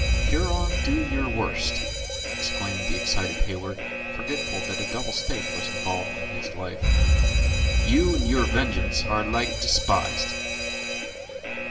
"Huron, do your worst!" exclaimed the excited Heyward, forgetful that a double stake was involved in his life; "you and your vengeance are alike despised."